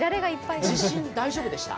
地震、大丈夫でした？